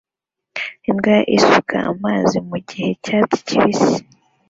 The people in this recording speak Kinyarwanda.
Imbwa isuka amazi mugihe cyatsi kibisi